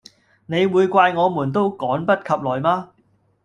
你會怪我們都趕不及來嗎？